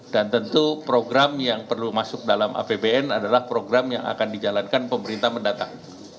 dan tentu program yang perlu masuk dalam apbn adalah program yang akan dijalankan pemerintah mendatang